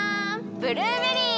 ブルーベリー！